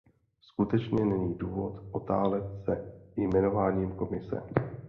Skutečně není důvod otálet se jmenováním Komise.